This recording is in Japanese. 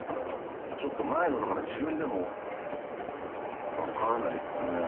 ちょっと前のだから自分でも分からないっすね。